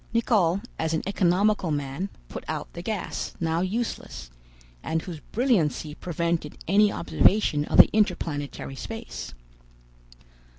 Nicholl, as an economical man, put out the gas, now useless, and whose brilliancy prevented any observation of the inter planetary space.